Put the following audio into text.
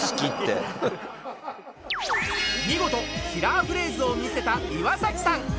見事キラーフレーズを見せた岩さん